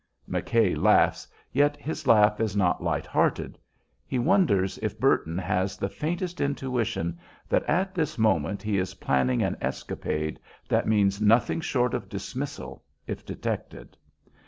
McKay laughs, yet his laugh is not light hearted. He wonders if Burton has the faintest intuition that at this moment he is planning an escapade that means nothing short of dismissal if detected.